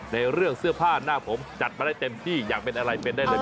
ในเรื่องเสื้อผ้าหน้าผมจัดมาได้เต็มที่อยากเป็นอะไรเป็นได้เลย